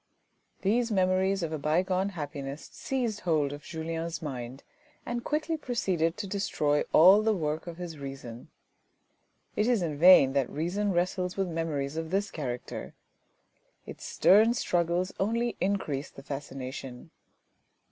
These memories of a bygone happiness seized hold of Julien's mind, and quickly proceeded to destroy all the work of his reason. It is in vain that reason wrestles with memories of this character. Its stern struggles only increase the fascination.